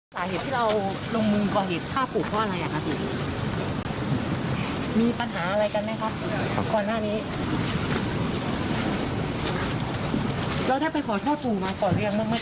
สาเหตุที่เราลงมือป่าเหตุฆ่าผูกเท่าอะไรอย่างนั้น